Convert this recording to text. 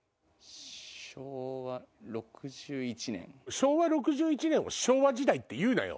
昭和６１年を昭和時代って言うなよ！